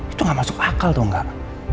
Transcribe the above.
itu nggak masuk akal tau nggak